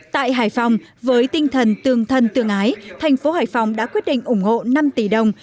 tại hải phòng với tinh thần tương thân tương ái thành phố hải phòng đã quyết định ủng hộ năm tỷ đồng